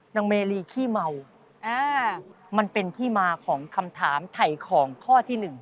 นางเมรีขี้เมามันเป็นที่มาของคำถามไถ่ของข้อที่๑